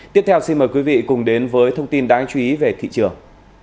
tiếp theo xin mời quý vị cùng đến với thông tin đáng chú ý về thị trường